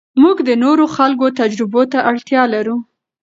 موږ د نورو خلکو تجربو ته اړتیا لرو.